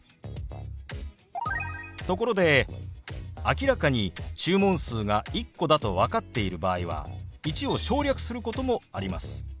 ところで明らかに注文数が１個だと分かっている場合は「１」を省略することもあります。